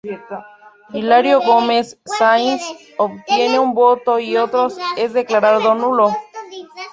Hilario Gómez Sáinz obtiene un voto y otro es declarado nulo.